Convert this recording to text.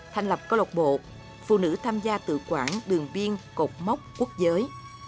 thành lập cơ lộc bộ phụ nữ tham gia tự quản đường biên cột móc quốc giới